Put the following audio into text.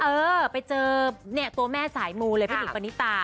เออไปเจอเนี่ยตัวแม่สายมูเลยพี่หิงปณิตา